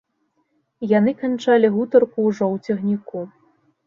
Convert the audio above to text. Яны канчалі гутарку ўжо ў цягніку.